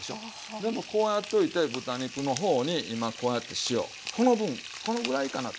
でもこうやっといて豚肉の方に今こうやって塩この分このぐらいかなって。